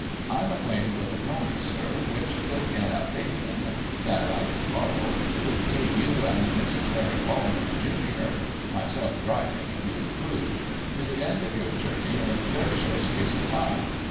I'm acquainted with a pony, sir, which, put in a pheayton that I could borrow, would take you and Mrs. Harry Walmers, Junior, (myself driving, if you approved,) to the end of your journey in a very short space of time.